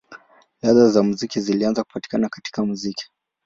Ladha za muziki zilianza kupatikana katika muziki.